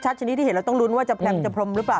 ชนิดที่เห็นเราต้องลุ้นว่าจะแพรมจะพรมหรือเปล่า